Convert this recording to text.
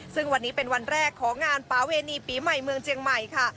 ซึ่งวันนี้เป็นวันแรกของงานปาเวณีปีใหม่เมืองเจียงใหม่ค่ะ